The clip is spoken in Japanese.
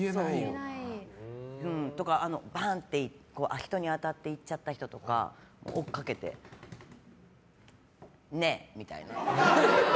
あと、パンって人に当たって行っちゃった人とか追いかけて、ねえ！みたいな。